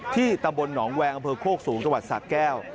ตำบลหนองแวงอำเภอโคกสูงจังหวัดสะแก้ว